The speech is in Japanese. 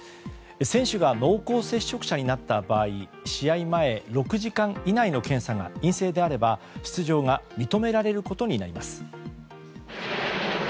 選手が濃厚接触者になった場合試合前６時間以内の検査が陰性であれば出場が認められることになります。